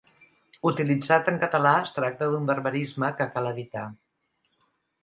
Utilitzat en català es tracta d'un barbarisme que cal evitar.